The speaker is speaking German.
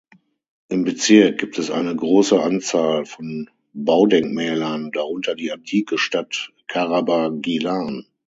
Im Bezirk gibt es eine große Anzahl von Baudenkmälern, darunter die antike Stadt Kharaba-Gilan.